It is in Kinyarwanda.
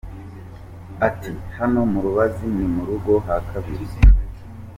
Ati " Hano murabizi ni mu rugo hakabiri.